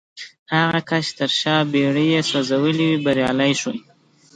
هغه کس چې تر شا بېړۍ يې سوځولې وې بريالی شو.